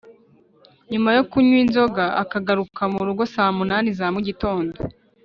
nyuma yo kunywa inzoga akagaruka mu rugo saa munani za mugitondo